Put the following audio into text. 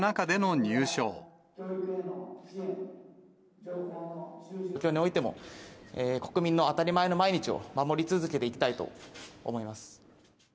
どのような状況においても、国民の当たり前の毎日を守り続けていきたいと思います。